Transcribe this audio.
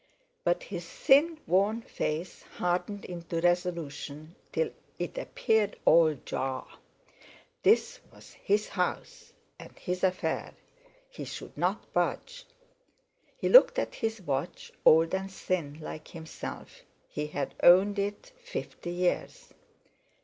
But his thin, worn face hardened into resolution till it appeared all Jaw. This was his house, and his affair; he should not budge! He looked at his watch, old and thin like himself; he had owned it fifty years.